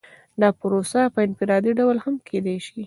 دا پروسه په انفرادي ډول هم کیدای شي.